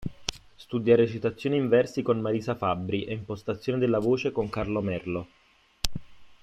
Studia recitazione in versi con Marisa Fabbri e impostazione della voce con Carlo Merlo.